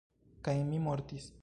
Kaj mi mortis.